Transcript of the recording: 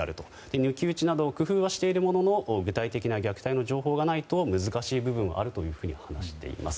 抜き打ちなど工夫はしているものの具体的な虐待の情報がないと難しい部分があるというふうに話しています。